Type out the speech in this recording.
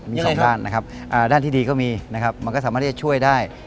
มีสองด้านนะครับด้านที่ดีก็มีนะครับมันก็สามารถที่จะช่วยได้